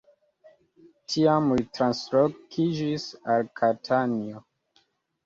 Tiam li translokiĝis al Katanio.